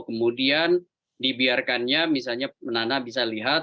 kemudian dibiarkannya misalnya menana bisa lihat